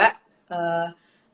maksudnya sebagai ibu rumah tangga juga